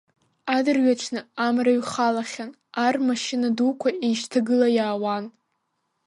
Адырҩаҽны, Амра ҩхалахьан, ар рмашьына дуқәа еишьҭагыла иаауан.